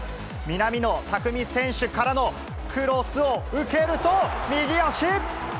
南野拓実選手からのクロスを受けると、右足。